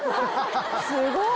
すごい。